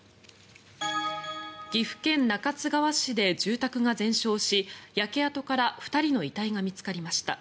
岐阜県中津川市で住宅が全焼し焼け跡から２人の遺体が見つかりました。